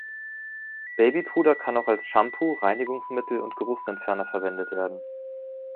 Babypuder kann auch als Shampoo, Reinigungsmittel und Geruchsentferner verwendet werden.